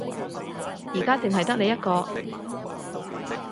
而家淨係得你一個